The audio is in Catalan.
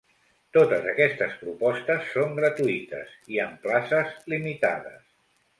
Totes aquestes propostes són gratuïtes, i amb places limitades.